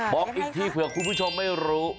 บอกอีกทีเผื่อคุณผู้ชมไม่รู้